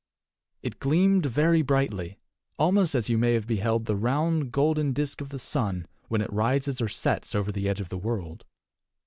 It gleamed very brightly, almost as you may have beheld the round, golden disk of the sun when it rises or sets over the edge of the world.